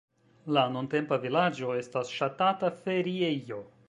La nuntempa vilaĝo estas ŝatata feriejo.